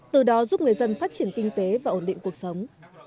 từ đó giúp người dân phát triển kinh tế và ổn định cuộc sống